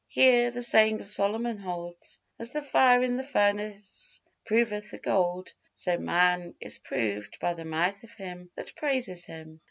Here the saying of Solomon holds: "As the fire in the furnace proveth the gold, so man is proved by the mouth of him that praises him."